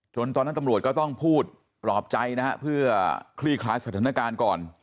ตอนนั้นตำรวจก็ต้องพูดปลอบใจนะฮะเพื่อคลี่คลายสถานการณ์ก่อน